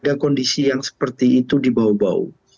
bahwa ada kondisi yang seperti itu di bau bau